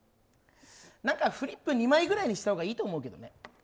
フリップ２枚くらいにしたほうがいいと思うけどね。